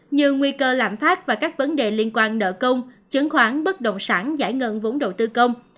như nguy cơ lạm phát và các vấn đề liên quan nợ công chứng khoán bất động sản giải ngân vốn đầu tư công